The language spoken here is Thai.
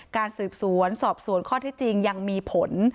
การสืบสวนสอบสวนข้อที่จริงยังมีผล